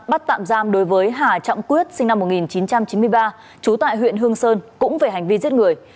bắt tạm giam đối với hà trọng quyết sinh năm một nghìn chín trăm chín mươi ba trú tại huyện hương sơn cũng về hành vi giết người